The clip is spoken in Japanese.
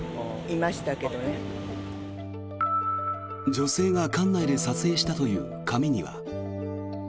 女性が館内で撮影したという紙には。